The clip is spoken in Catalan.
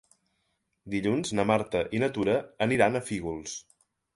Dilluns na Marta i na Tura aniran a Fígols.